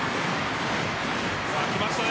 さあきましたね